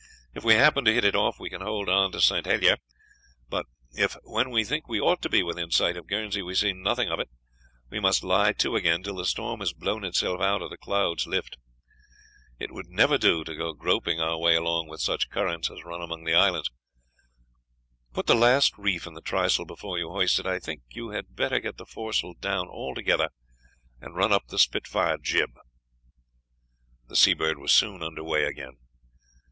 If we happen to hit it off, we can hold on to St. Helier, but if when we think we ought to be within sight of Guernsey we see nothing of it, we must lie to again, till the storm has blown itself out or the clouds lift. It would never do to go groping our way along with such currents as run among the islands. Put the last reef in the trysail before you hoist it. I think you had better get the foresail down altogether, and run up the spitfire jib." The Seabird was soon under way again.